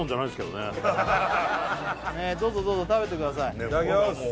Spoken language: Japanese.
どうぞどうぞ食べてくださいいただきます